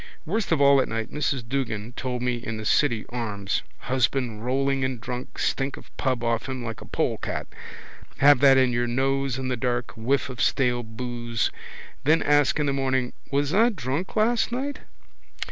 Worst of all at night Mrs Duggan told me in the City Arms. Husband rolling in drunk, stink of pub off him like a polecat. Have that in your nose in the dark, whiff of stale boose. Then ask in the morning: was I drunk last night?